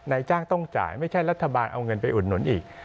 นายจ้างต้องจ่ายไม่ใช่รัฐบาลเอาเงินไปอุดหนุนอีก